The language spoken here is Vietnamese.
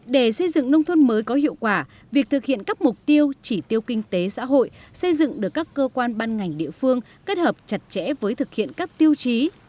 để xây dựng nông thôn mới có hiệu quả việc thực hiện các mục tiêu chỉ tiêu kinh tế xã hội xây dựng được các cơ quan ban ngành địa phương kết hợp chặt chẽ với thực hiện các tiêu chí